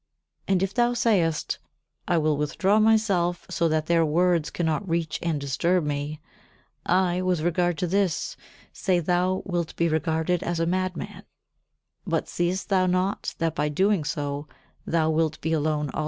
And if thou sayest: "I will withdraw myself, so that their words cannot reach and disturb me" I, with regard to this, say thou wilt be regarded as a madman; but seest thou not that by so doing thou wilt be alone also?